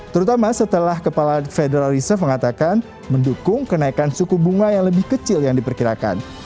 terutama setelah kepala federal reserve mengatakan mendukung kenaikan suku bunga yang lebih kecil yang diperkirakan